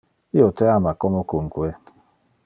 Io te ama comocunque.